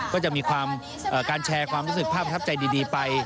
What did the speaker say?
ก็จะมีการแชร์ความรู้สึกภาพประทับใจดีไป